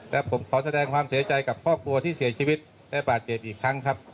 และผมขอแสดงความเสียใจกับครอบครัวที่เสียชีวิตได้บาดเจ็บอีกครั้งครับ